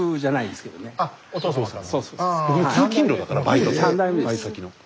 スタジオ通勤路だからバイト先の。